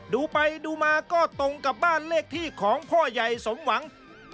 ดูไปดูมาก็ตรงกับบ้านเลขที่ของพ่อใหญ่สมหวัง